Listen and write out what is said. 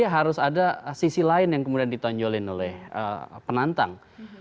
jadi harus ada sisi lain yang kemudian ditonjolkan oleh penantang